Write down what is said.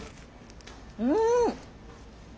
うん！